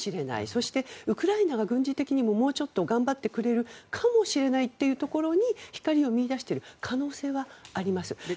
そしてウクライナが軍事的にももうちょっと頑張ってくれるかもしれないというところに光を見いだしている可能性はあります。